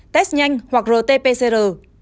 test nhanh hoặc rt pcr